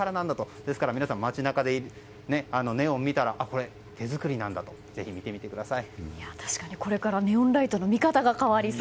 ですから、皆さん街中でネオンを見たらこれ、手作りなんだとぜひ見てみてください。